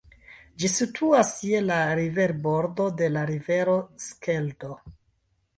Ĝi situas je la riverbordo de la rivero Skeldo.